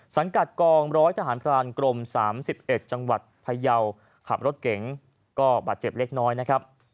สังกัดกองร้อยทหารพรานกรม๓๑จังหวัดพยาวขับรถเก๋งก็บาดเจ็บเล็กน้อยนะครับ